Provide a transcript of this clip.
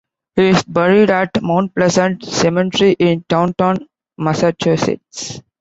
He is buried at Mount Pleasant Cemetery in Taunton, Massachusetts.